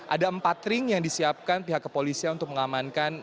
ada empat ring yang disiapkan pihak kepolisian untuk mengamankan